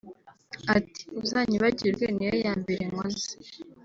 Ati “ Uzanyibagirwe niyo ya mbere nkoze